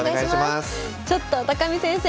ちょっと見先生